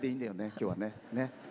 今日はね。